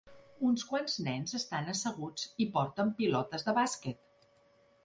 Uns quants nens estan asseguts i porten pilotes de bàsquet.